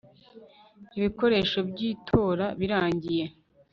ibikoresho by itora birangiye